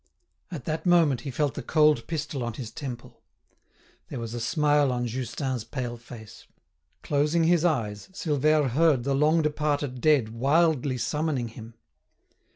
At that moment he felt the cold pistol on his temple. There was a smile on Justin's pale face. Closing his eyes, Silvère heard the long departed dead wildly summoning him.